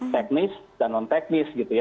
teknis dan non teknis gitu ya